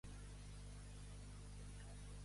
Píndoles amargues van cobertes d'or.